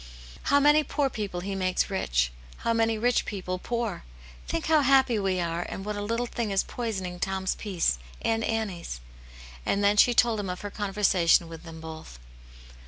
How many poor people He makes rich; how many rich people poor ! Think how, happy we are, and what a little thing is poisoning Tom's peace, and Annie's." And then she told him of her conversation with them both.